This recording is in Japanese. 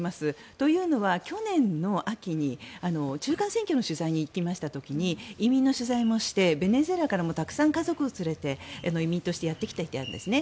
というのは去年の秋に中間選挙の取材に行った時に移民の取材もしてベネズエラからもたくさん家族を連れて移民としてやってきていたんですね。